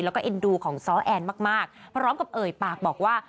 แล้วก็เอ็นดูของซ้อแอนมากพร้อมกับเอ่ยปากบอกว่า